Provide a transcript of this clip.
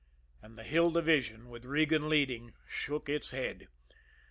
And the Hill Division, with Regan leading, shook its head.